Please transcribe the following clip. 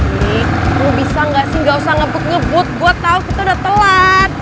wih lo bisa gak sih gak usah ngebut ngebut gue tau kita udah telat